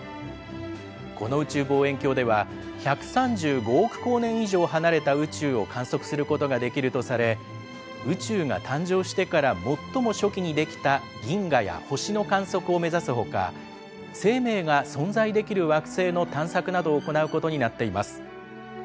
この宇宙望遠鏡では、１３５億光年以上離れた宇宙を観測することができるとされ、宇宙が誕生してから最も初期に出来た銀河や星の観測を目指すほか、生命が存在できる惑星の探索などを行うことになっています。